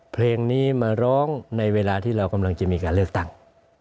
เพลงนี้มาร้องในเวลาที่เรากำลังจะมีการเลือกตั้ง